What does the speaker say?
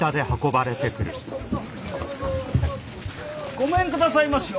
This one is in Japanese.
ごめんくださいましよ！